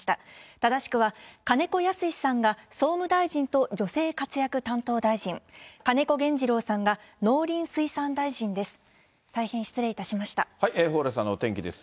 正しくは、金子恭之さんが総務大臣と女性活躍担当大臣、金子原二郎さんが農林水産大臣です。